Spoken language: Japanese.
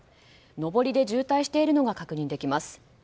上りで渋滞しているのが確認できます。